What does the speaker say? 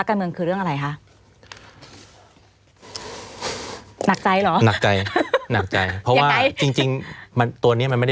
คือเรื่องอะไรคะ